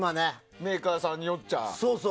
メーカーさんによっちゃ。